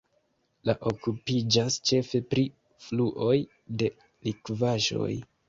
Li okupiĝas ĉefe pri fluoj de likvaĵoj.